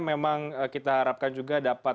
memang kita harapkan juga dapat